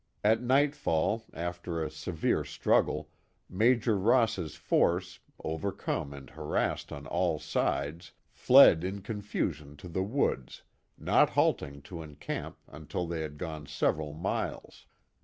At nightfall, after a severe struggle. Major Ross's force, over come and harassed on all sides, Hed in confusion to the woods, not halting to encamp until they had gone several miles.